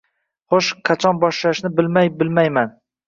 Xoʻsh, qachon boshlashni, bilmayman, bilmayman...